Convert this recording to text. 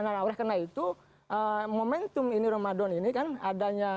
karena oleh karena itu momentum ini ramadan ini kan adanya